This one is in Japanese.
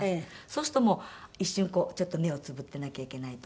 そうするともう一瞬ちょっと目をつぶってなきゃいけないとか。